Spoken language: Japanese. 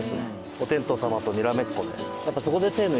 お天道様とにらめっこで。